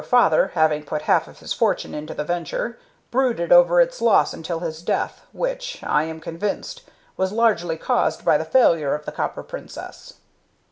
Your father, having put half of his fortune into the venture, brooded over its loss until his death, which, I am convinced, was largely caused by the failure of the Copper Princess."